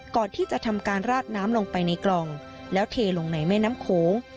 ก่อนที่จะทำการราดน้ำลงไปในกล่องแล้วเทลงในแม่น้ำโขง